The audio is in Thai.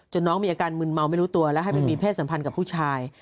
น้องมีอาการมึนเมาไม่รู้ตัวและให้ไปมีเพศสัมพันธ์กับผู้ชาย